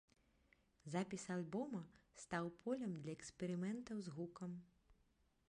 Запіс альбома стаў полем для эксперыментаў з гукам.